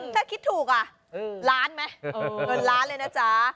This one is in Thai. ถ้าคิดถูกอ่ะล้านไหมเงินล้านเลยนะจ๊ะ